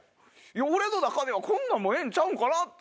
俺の中ではこんなんもええんちゃうんかなって。